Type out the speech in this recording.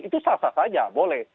itu sah sah saja boleh